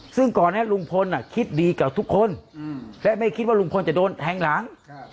ซึ่งก่อนนั้นลุงพลคิดดีกับทุกคนและไม่คิดว่าลุงพลจะโดนแทงหลัง